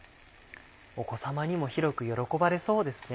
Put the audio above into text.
お子さまにも広く喜ばれそうですね。